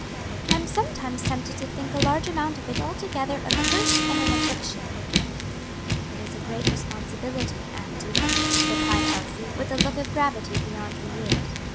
"I'm sometimes tempted to think a large amount of it altogether a curse and an affliction." "It is a great responsibility, auntie," replied Elsie, with a look of gravity beyond her years.